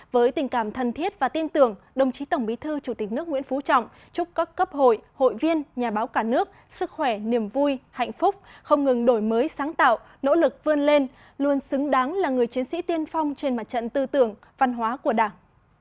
với tình cảm thân thiết và tin tưởng đồng chí tổng bí thư chủ tịch nước nguyễn phú trọng chúc các cấp hội hội viên nhà báo cả nước sức khỏe niềm vui hạnh phúc không ngừng đổi mới sáng tạo nỗ lực vươn lên luôn xứng đáng là người chiến sĩ tiên phong trên mặt trận tư tưởng văn hóa của đảng